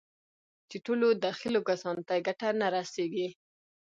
چې ټولو دخيلو کسانو ته يې ګټه نه رسېږي.